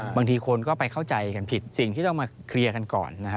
บางทีคนก็ไปเข้าใจกันผิดสิ่งที่ต้องมาเคลียร์กันก่อนนะฮะ